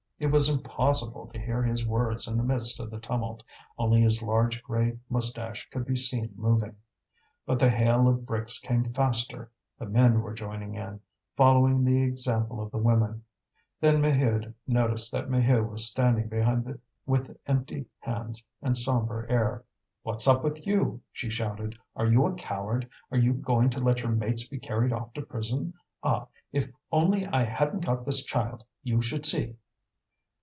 It was impossible to hear his words in the midst of the tumult; only his large grey moustache could be seen moving. But the hail of bricks came faster; the men were joining in, following the example of the women. Then Maheude noticed that Maheu was standing behind with empty hands and sombre air. "What's up with you?" she shouted. "Are you a coward? Are you going to let your mates be carried off to prison? Ah! if only I hadn't got this child, you should see!"